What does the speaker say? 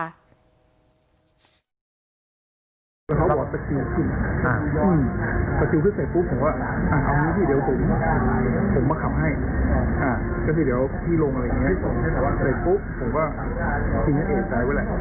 เขาเรียบรถออกไปเลยอ่าผมเขาวิ่งตามผมเขาจำสถู่วิ่งตาม